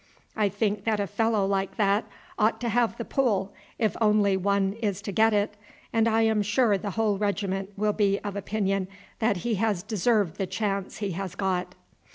I think that a fellow like that ought to have the pull if only one is to get it, and I am sure the whole regiment will be of opinion that he has deserved the chance he has got."